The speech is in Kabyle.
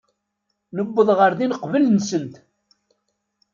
Newweḍ ɣer din qbel-nsent.